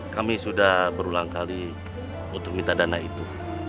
kami sudah berulang kali untuk minta dana itu